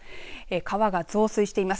川が増水しています。